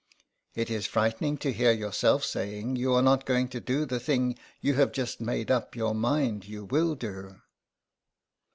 It is frightening to hear yourself saying you are not going to do the thing you have just made up your mind you will do.